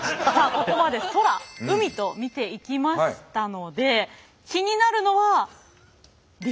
ここまで空海と見ていきましたので気になるのは陸。